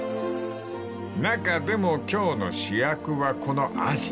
［中でも今日の主役はこのアジ］